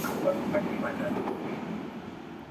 نیم پر تخت د شاه جهان نیم قلندر دی.